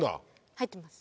入ってます。